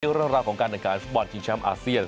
เตรียมเรื่องราวของการทำการฟุตบอลชีวิตช้ำอาเซียน